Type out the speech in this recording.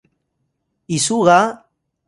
isu ga?